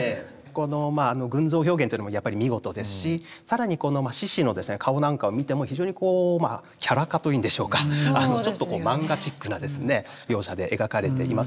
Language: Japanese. この群像表現というのもやっぱり見事ですし更にこの獅子の顔なんかを見ても非常にこうキャラ化というんでしょうかちょっと漫画チックな描写で描かれていますので非常に親しみやすい。